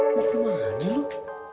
mak kemana lo